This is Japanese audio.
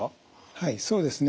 はいそうですね。